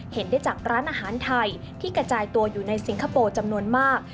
เห็นได้จากร้านอาหารไทยที่กระจายตัวอยู่ในสิงคโปร์จำนวนมาก